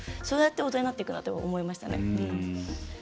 そうやって大人になっていくんだと思いましたね。